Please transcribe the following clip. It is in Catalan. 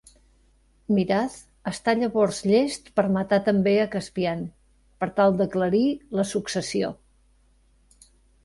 Miraz està llavors llest per matar també a Caspian, per tal d'aclarir la successió.